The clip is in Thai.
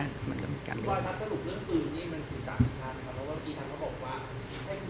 เมื่อกี้ท่านก็บอกว่าให้คุณบอร์ดอยู่ในวิงค้าคุณบอกว่าคุณจะติดคุณบอร์ด